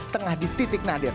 tengah di titik nadir